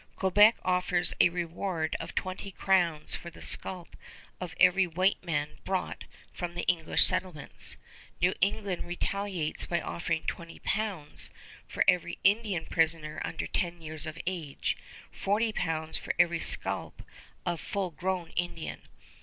Quebec offers a reward of twenty crowns for the scalp of every white man brought from the English settlements. New England retaliates by offering 20 pounds for every Indian prisoner under ten years of age, 40 pounds for every scalp of full grown Indian.